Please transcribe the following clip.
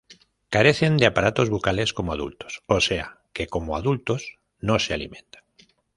Carecen de aparatos bucales como adultos, o sea que como adultos no se alimentan.